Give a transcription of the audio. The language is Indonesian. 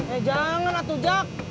eh jangan atu jak